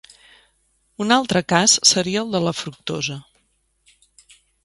Un altre cas seria el de la fructosa.